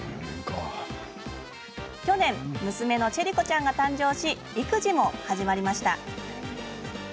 去年娘のチェリ子ちゃんが誕生して育児も始まりました。